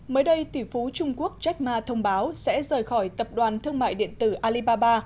mới đây tỷ phú trung quốc checkma thông báo sẽ rời khỏi tập đoàn thương mại điện tử alibaba